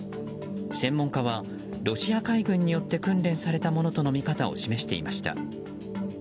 専門家はロシア海軍によって訓練されたものとの見方を示していました。